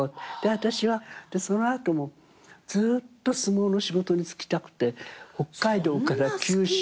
私はその後もずっと相撲の仕事に就きたくて北海道から九州。